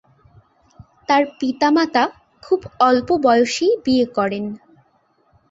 তার পিতা-মাতা খুব অল্প বয়সেই বিয়ে করেন।